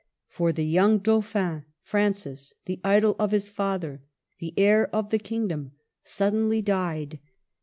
For the young Dauphin, Francis, the idol of his father, the heir of the kingdom, suddenly died.